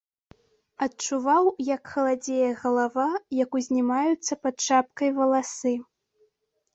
Адчуваў, як халадзее галава, як узнімаюцца пад шапкай валасы.